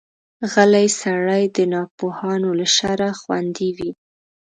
غلی سړی، د ناپوهانو له شره خوندي وي.